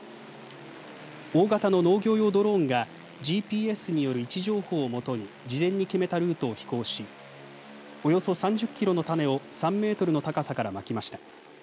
大型の農業用ドローンがＧＰＳによる位置情報をもとに事前に決めたルートを飛行しおよそ３０キロの種を３メートルの高さからまきました。